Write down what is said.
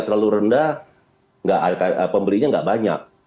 terlalu rendah pembelinya nggak banyak